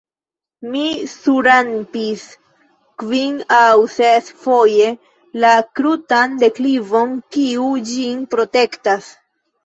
Mi surrampis kvin- aŭ ses-foje la krutan deklivon, kiu ĝin protektas.